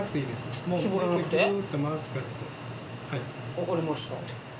分かりました。